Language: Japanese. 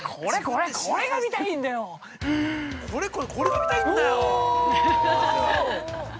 ◆これこれこれ、これが見たいんだよ。